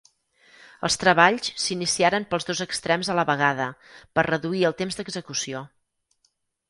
Els treballs s'iniciaren pels dos extrems a la vegada, per reduir el temps d'execució.